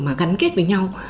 mà gắn kết với nhau